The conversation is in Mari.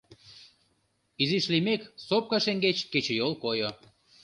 Изиш лиймек, сопка шеҥгеч кечыйол койо.